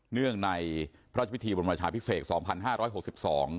เนื่องในพระราชพิธีบรมราชาพิศษภกษ์๒๕๖๒